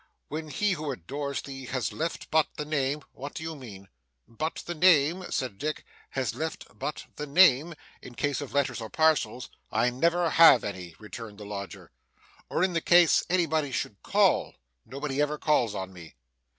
'When he who adores thee has left but the name ' 'What do you mean?' ' But the name,' said Dick 'has left but the name in case of letters or parcels ' 'I never have any,' returned the lodger. 'Or in the case anybody should call.' 'Nobody ever calls on me.